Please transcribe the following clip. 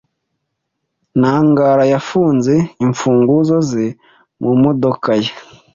Ntagara yafunze imfunguzo ze mu modoka ye.